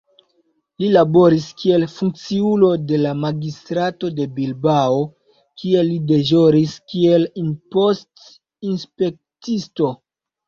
Li laboris kiel funkciulo de la magistrato de Bilbao, kie li deĵoris kiel impost-inspektisto.